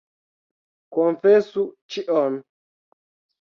Konfesu ĉion.